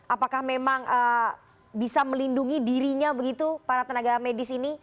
apakah memang bisa melindungi dirinya begitu para tenaga medis ini